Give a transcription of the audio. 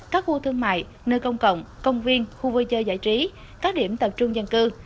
các khu thương mại nơi công cộng công viên khu vui chơi giải trí các điểm tập trung dân cư